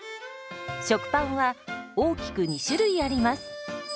食パンは大きく２種類あります。